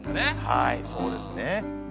はいそうですね。